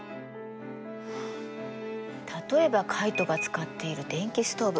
例えばカイトが使っている電気ストーブ。